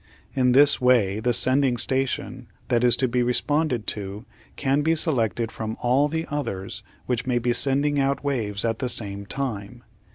In this way the sending station that is to be responded to can be selected from all the others which may be sending out waves at the same time.